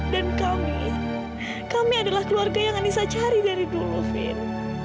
dan kami kami adalah keluarga yang anissa cari dari dulu vin